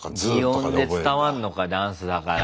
擬音で伝わんのかダンスだから。